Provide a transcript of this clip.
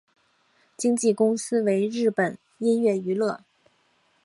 经纪公司为日本音乐娱乐。